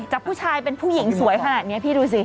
ผู้ชายเป็นผู้หญิงสวยขนาดนี้พี่ดูสิ